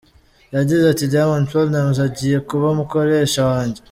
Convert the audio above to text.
Yagize ati "Diamond Platnumz agiye kuba umukoresha wanjye.